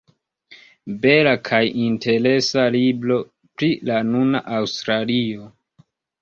Bela kaj interesa libro pri la nuna Aŭstralio.